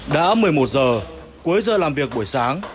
đã một mươi một giờ cuối giờ làm việc buổi sáng